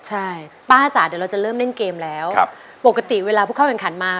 ใช่ป้าจ๋าเดี๋ยวเราจะเริ่มเล่นเกมแล้วครับปกติเวลาผู้เข้าแข่งขันมา